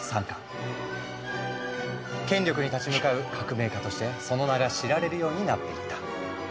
権力に立ち向かう革命家としてその名が知られるようになっていった。